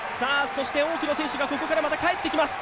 そして多くの選手がここからまた帰ってきます。